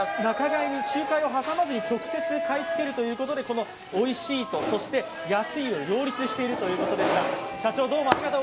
仲介を挟まずに直接買い付けることでおいしいと、安いを両立しているということです。